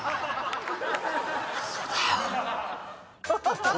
嘘だよ。